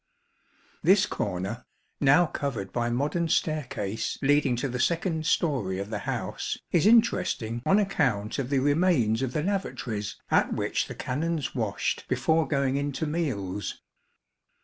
This corner, now covered by modern staircase leading to the second storey of the house, is interesting on account of the remains of the lavatories at which the Canons washed before going in to meals.